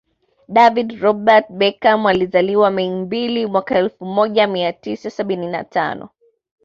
David Robert Beckham alizaliwa Mei Mbili mwaka elfu moja mia tisa sabini na tano